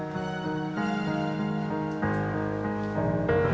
papa kayaknya udah nyenyak deh